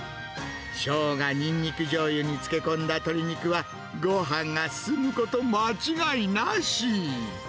ショウガ、ニンニクじょうゆに漬け込んだ鶏肉は、ごはんが進むこと間違いなし。